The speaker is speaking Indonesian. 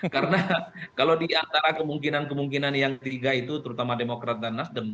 karena kalau di antara kemungkinan kemungkinan yang tiga itu terutama demokrat dan nasdem